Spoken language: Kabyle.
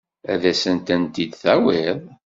Ad asen-tent-id-tawiḍ?